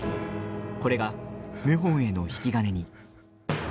これが謀反への引き金に。